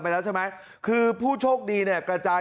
ไปแล้วใช่ไหมคือผู้โชคดีเนี่ยกระจาย